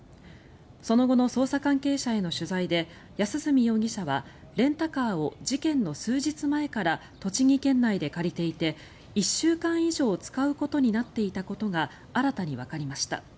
その後の捜査関係者への取材で安栖容疑者はレンタカーを事件の数日前から栃木県内で借りていて１週間以上使うことになっていたことが新たにわかりました。